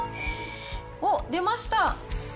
おっ、出ました。